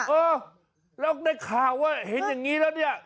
เออแล้วได้ข่าวว่าเห็นอย่างนี้แล้วเนี่ย